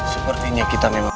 sepertinya kita memang